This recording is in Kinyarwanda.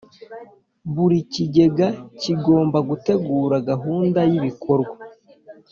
Buri kigega kigomba gutegura gahunda y’ibikorwa